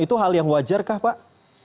itu hal yang wajar kah pak